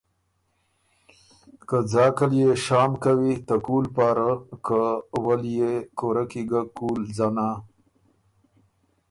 که ځاک ال يې شام کوی ته کُول پاره که وه ليې کُوره کی ګۀ کُول ځنا